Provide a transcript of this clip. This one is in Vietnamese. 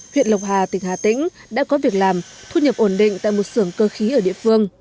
huyện lộc hà tỉnh hà tĩnh đã có việc làm thu nhập ổn định tại một sưởng cơ khí ở địa phương